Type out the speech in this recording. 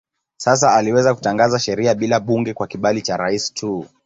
Sasa aliweza kutangaza sheria bila bunge kwa kibali cha rais tu.